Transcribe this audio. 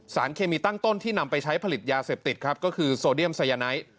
สารเคมีตั้งต้นที่นำไปใช้ผลิตยาเสพติดครับก็คือโซเดียมไซยาไนท์